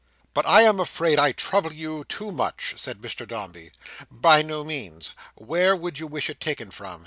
"But I am afraid I trouble you too much," said Mr Dombey. "By no means. Where would you wish it taken from?"